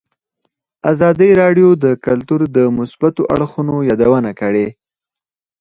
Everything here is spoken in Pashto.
ازادي راډیو د کلتور د مثبتو اړخونو یادونه کړې.